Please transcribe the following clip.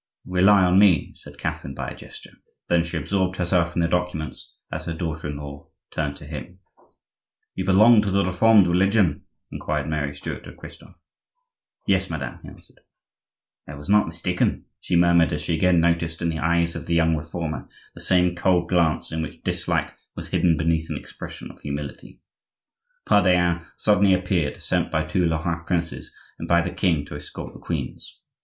"Rely on me," said Catherine by a gesture. Then she absorbed herself in the documents as her daughter in law turned to him. "You belong to the Reformed religion?" inquired Mary Stuart of Christophe. "Yes, madame," he answered. "I was not mistaken," she murmured as she again noticed in the eyes of the young Reformer the same cold glance in which dislike was hidden beneath an expression of humility. Pardaillan suddenly appeared, sent by the two Lorrain princes and by the king to escort the queens.